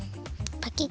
パキッ！